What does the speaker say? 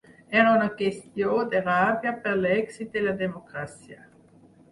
Era una qüestió de ràbia per l’èxit de la democràcia.